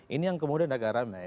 ini yang kemudian agak rame